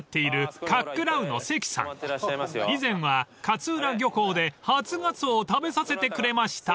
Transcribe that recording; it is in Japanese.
［以前は勝浦漁港で初ガツオを食べさせてくれました］